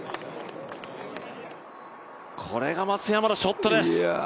これが松山のショットです。